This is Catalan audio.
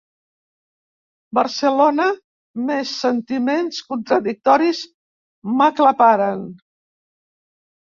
Barcelona més sentiments contradictoris m'aclaparen.